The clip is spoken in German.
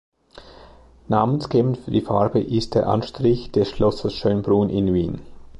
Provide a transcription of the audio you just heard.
Namensgebend für die Farbe ist der Anstrich des Schlosses "Schönbrunn" in Wien.